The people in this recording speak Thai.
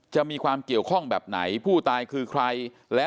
มีความเกี่ยวข้องแบบไหนผู้ตายคือใคร